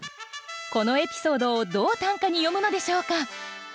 このエピソードをどう短歌に詠むのでしょうか。